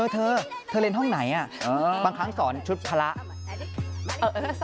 เธอเล่นห้องไหนบางครั้งสอนชุดพร้า